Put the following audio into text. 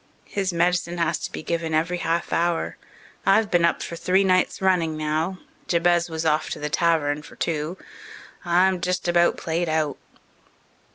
His medicine has to be given every half hour. I've been up for three nights running now. Jabez was off to the tavern for two. I'm just about played out."